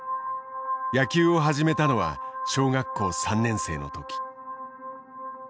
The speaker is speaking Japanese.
野球を始めたのは小学校３年生の時。